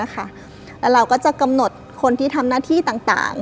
แล้วเราก็จะกำหนดคนที่ทำหน้าที่ต่าง